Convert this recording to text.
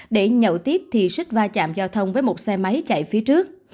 để nhậu tiếp thì sích va chạm giao thông với một xe máy chạy phía trước